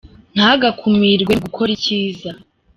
ntugakumirwe mugukora icyiza.